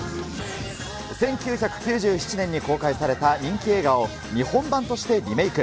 １９９７年に公開された人気映画を、日本版としてリメイク。